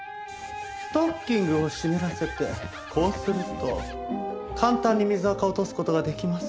ストッキングを湿らせてこうすると簡単に水あかを落とす事ができます。